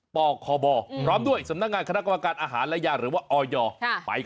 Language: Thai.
ปคบพร้อมด้วยสำนักงานคณะกรรมการอาหารและยาหรือว่าออย